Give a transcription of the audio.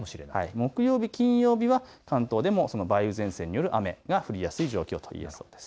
木曜日、金曜日は関東でも梅雨前線による雨が降りやすい状況といえそうです。